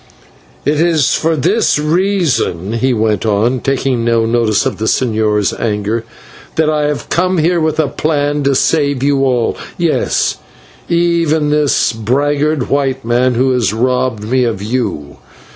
"It is for this reason," he went on, taking no notice of the señor's anger, "that I have come here with a plan to save you all; yes, even this braggart white man who has robbed me of you.